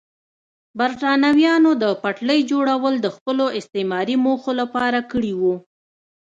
برېټانویانو د پټلۍ جوړول د خپلو استعماري موخو لپاره کړي وو.